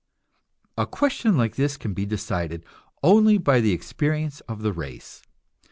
A question like this can be decided only by the experience of the race.